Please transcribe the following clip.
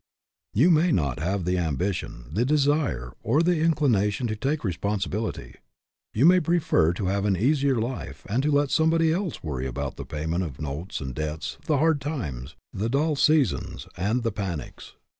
You may not have the ambition, the desire, or the inclination to take responsibility. You may prefer to have an easier life, and to let somebody else worry about the payment of notes and debts, the hard times, the dull sea sons, and the panics.